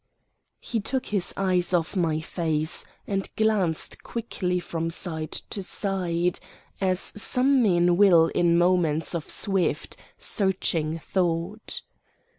He took his eyes off my face, and glanced quickly from side to side, as some men will in moments of swift, searching thought.